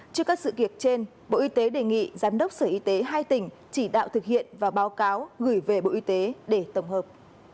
trước các sự kiện trên bộ y tế đề nghị giám đốc sở y tế hai tỉnh chỉ đạo thực hiện và báo cáo gửi về bộ y tế để tổng hợp